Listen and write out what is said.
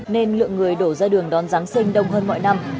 nên lượng người đổ ra đường đón giáng sinh đông hơn mọi năm